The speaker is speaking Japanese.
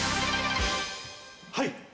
はい！